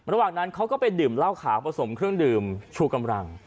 ระหว่างนั้นเขาก็ไปดื่มเหล้าขาวผสมเครื่องดื่มชูกำลัง